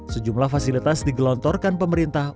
sejumlah fasilitas digelontorkan pemerintah